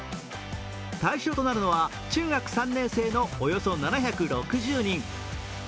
対象となるのは中学３年生のおよそ７６０人。